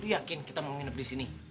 lu yakin kita mau nginep disini